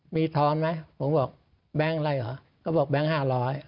มีทอนไหมผมบอกแบงค์อะไรเหรอเขาบอกแบงค์๕๐๐